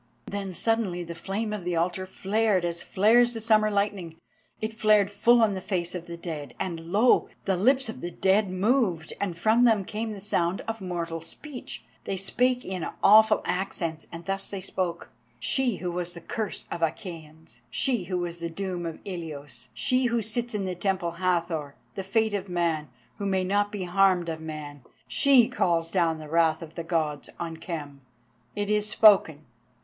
Then suddenly the flame of the altar flared as flares the summer lightning. It flared full on the face of the dead, and lo! the lips of the dead moved, and from them came the sound of mortal speech. They spake in awful accents, and thus they spoke: "_She who was the curse of Achæans, she who was the doom of Ilios; she who sits in the Temple of Hathor, the Fate of man, who may not be harmed of Man, she calls down the wrath of the Gods on Khem. It is spoken!